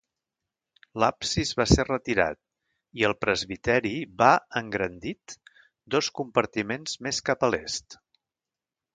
L'absis va ser retirat i el presbiteri va engrandit dos compartiments més cap a l'est.